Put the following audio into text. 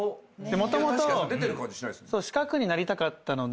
もともと四角になりたかったので。